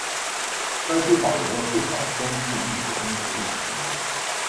该区保留了不少装饰艺术风格的历史建筑。